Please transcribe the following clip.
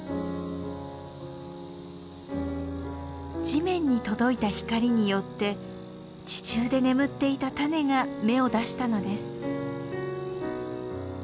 地面に届いた光によって地中で眠っていた種が芽を出したのです。